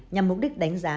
nhằm mục đích đánh giá